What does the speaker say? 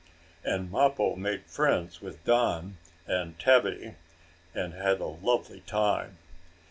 And Mappo made friends with Don and Tabby and had a lovely time.